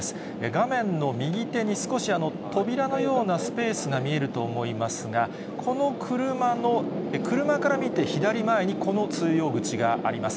画面の右手に少し、扉のようなスペースが見えると思いますが、この車の、車から見て左前にこの通用口があります。